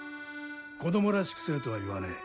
子供らしくせえとは言わねえ。